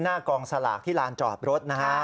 หน้ากองสลากที่ลานจอดรถนะฮะ